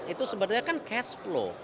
itu sebenarnya kan cashflow